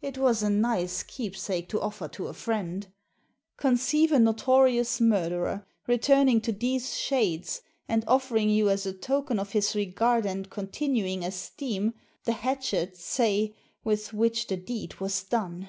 It was a nice keepsake to offer to a friend. Con ceive a notorious murderer returning to these shades and offering you as a token of his regard and Digitized by VjOOQIC A PACK OF CARDS 85 continuing esteem the hatchet, say, with which the deed was done.